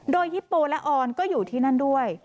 โดยฮิปโปและออนก็อยู่ที่นั่นด้วย